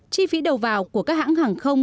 chi phí đầu vào của các hãng hàng không